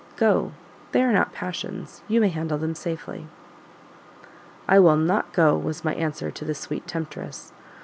Go they are not passions; you may handle them safely." "I will NOT go was my answer to the sweet temptress.